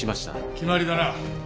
決まりだな。